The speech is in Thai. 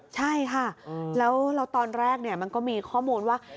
ใช่ค่ะแล้วตอนแรกมันก็มีข้อมูลว่า